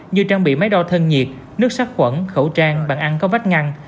như trang bị máy đo thân nhiệt nước sắc quẩn khẩu trang bàn ăn có vách ngăn